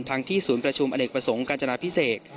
ที่ศูนย์ประชุมอเนกประสงค์การจนาพิเศษ